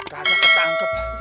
kadang kita angkep